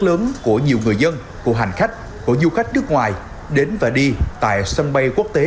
lớn của nhiều người dân của hành khách của du khách nước ngoài đến và đi tại sân bay quốc tế